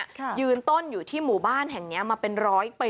ยืนต้นอยู่ที่หมู่บ้านแห่งเนี้ยมาเป็นร้อยปี